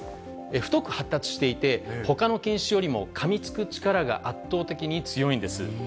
太く発達していて、ほかの犬種よりもかみつく力が圧倒的に強いんです。